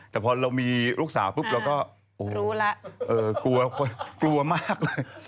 ข้ามไม่ต้องพูดถึงและโอเคจบ